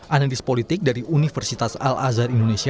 analis politik dari universitas as